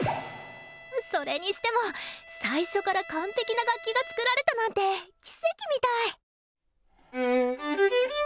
それにしても最初から完璧な楽器が作られたなんて奇跡みたい！